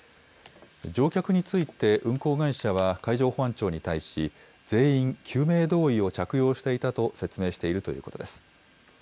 乗客について運航会社は、海上保安庁に対し、全員救命胴衣を着用していたと説明しているということです。